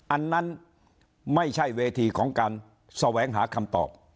อันนั้นไม่ใช่เวทีของการแสวงหาคำตอบ